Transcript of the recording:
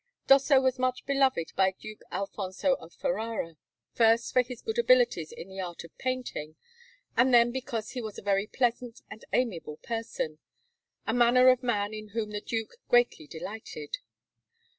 Dosso was much beloved by Duke Alfonso of Ferrara: first for his good abilities in the art of painting, and then because he was a very pleasant and amiable person a manner of man in whom the Duke greatly delighted.